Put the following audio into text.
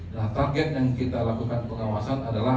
nah target yang kita lakukan pengawasan adalah